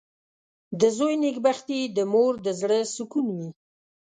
• د زوی نېکبختي د مور د زړۀ سکون وي.